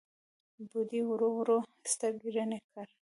بوډۍ ورو ورو سترګې رڼې کړې.